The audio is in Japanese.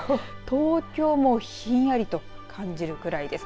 東京もひんやりと感じるぐらいです。